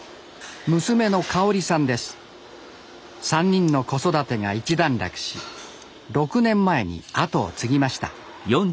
３人の子育てが一段落し６年前に後を継ぎました。